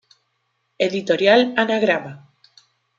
Editorial Anagrama.